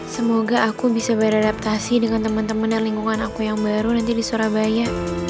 semoga aku bisa beradaptasi dengan teman teman dan lingkungan aku yang baru nanti di surabaya